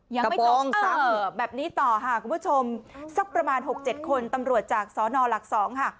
ยังไม่จบซ้ำแบบนี้ต่อค่ะคุณผู้ชมสักประมาณหกเจ็ดคนตำรวจจากสนหลัก๒ค่ะ